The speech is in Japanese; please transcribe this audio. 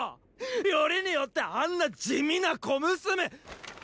よりによってあんな地味な小娘っ！